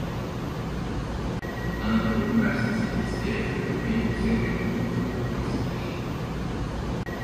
Anadolu Üniversitesi eski Rektörü ve Yükseköğretim Kurulu Üyesidir.